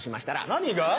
何が？